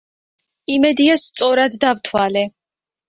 იმედია სწორად დავთვალე.